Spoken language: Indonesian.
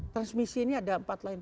transmisi ini ada empat lain